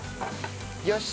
よし！